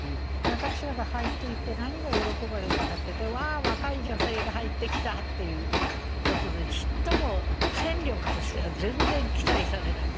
私らが入っていって何が喜ばれたかってわあ若い女性が入ってきたっていうことでちっとも戦力としては全然期待されない。